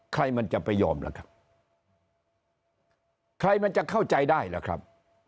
ใครมันจะไปยอมล่ะครับใครมันจะเข้าใจได้ล่ะครับ